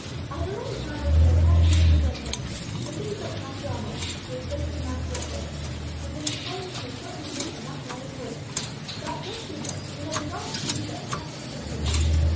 I have arranged matters with our passenger superintendent. It seems that Macdonell, the station master at Gorton, has been complaining that he is short handed and wants another porter. That just suits us, so we have resolved to give you that responsible situation.